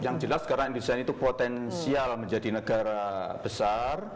yang jelas karena indonesia itu potensial menjadi negara besar